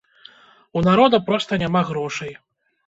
У народа проста няма грошай.